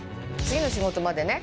次の仕事までね